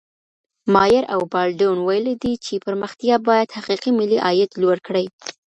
مائر او بالډون ويلي دي چي پرمختيا بايد حقيقي ملي عايد لوړ کړي.